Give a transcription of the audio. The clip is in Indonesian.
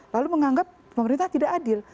lalu menganggap pemerintah tidak adil